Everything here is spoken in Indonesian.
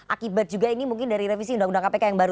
akibat juga ini mungkin dari revisi undang undang kpk yang baru